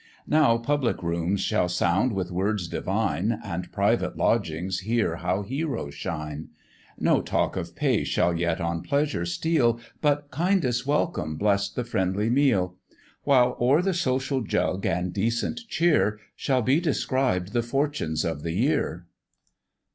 Now public rooms shall sound with words divine, And private lodgings hear how heroes shine; No talk of pay shall yet on pleasure steal, But kindest welcome bless the friendly meal; While o'er the social jug and decent cheer, Shall be described the fortunes of the year.